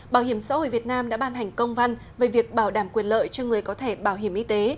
bảo hiểm xã hội việt nam đã ban hành công văn về việc bảo đảm quyền lợi cho người có thể bảo hiểm y tế